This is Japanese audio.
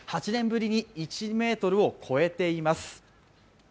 ８年ぶりに１ｍを超えています。